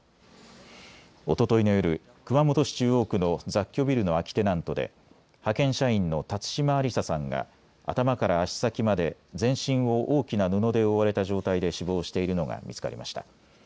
おとといの夜、熊本市中央区の雑居ビルの空きテナントで派遣社員の辰島ありささんが頭から足先まで全身を大きな布で覆われた状態で死亡しているのが見つかりました。